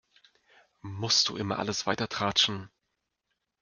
Musst du immer alles weitertratschen?